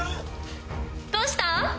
どうした？